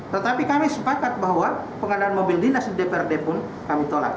tetapi kami sepakat bahwa pengadaan mobil dinas di dprd pun kami tolak